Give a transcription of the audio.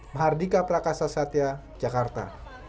mahardika prakasa satya jakarta